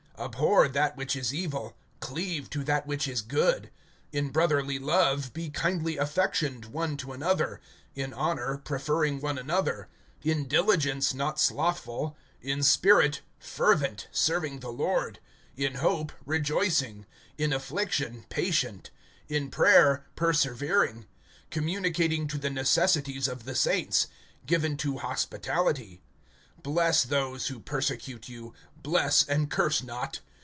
Abhor that which is evil; cleave to that which is good. In brotherly love, (10)be kindly affectioned one to another; in honor, preferring one another; (11)in diligence, not slothful; in spirit, fervent, serving the Lord; (12)in hope, rejoicing; in affliction, patient; in prayer, persevering; (13)communicating to the necessities of the saints[12:13]; given to hospitality. (14)Bless those who persecute you; bless, and curse not.